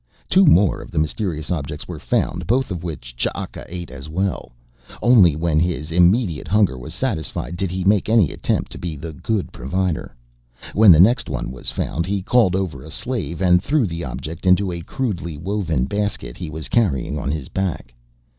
Two more of the mysterious objects were found, both of which Ch'aka ate as well. Only when his immediate hunger was satisfied did he make any attempt to be the good provider. When the next one was found he called over a slave and threw the object into a crudely woven basket he was carrying on his back.